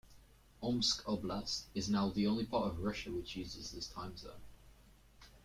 Omsk Oblast is now the only part of Russia which uses this time zone.